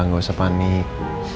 ga usah panik